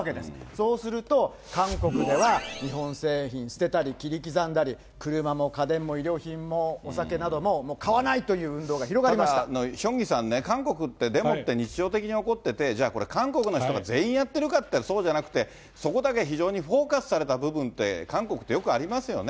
そうすると、韓国では、日本製品捨てたり、切り刻んだり、車も家電も衣料品もお酒などももう買わヒョンギさんね、韓国ってデモって日常的に起こってて、でもそれ、韓国の人が全員やってるかっていったら、そうじゃなくて、そこだけ非常にフォーカスされた部分って、韓国ってよくあります